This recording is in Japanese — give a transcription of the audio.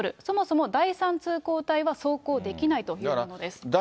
そもそも第３通行帯は走行できないというものです。